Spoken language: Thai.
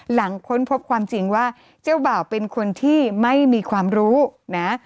ค้นพบความจริงว่าเจ้าบ่าวเป็นคนที่ไม่มีความรู้นะ